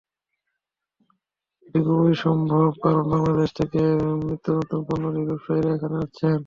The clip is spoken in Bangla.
এটি খুবই সম্ভব, কারণ বাংলাদেশ থেকে নিত্যনতুন পণ্য নিয়ে ব্যবসায়ীরা এখানে আসছেন।